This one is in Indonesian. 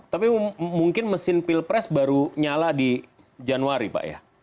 tapi mungkin mesin pilpres baru nyala di januari pak ya